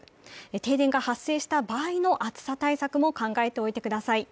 停電が発生した場合の暑さ対策も考えておいてください。